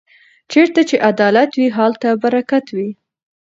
چېرته چې عدالت وي هلته برکت وي.